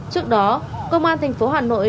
trước đó công an tp hà nội